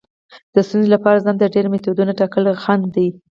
د ستونزې لپاره ځان ته ډیر میتودونه ټاکل خنډ دی.